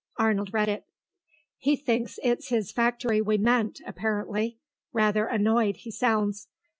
Arnold read it. "He thinks it's his factory we meant, apparently. Rather annoyed, he sounds.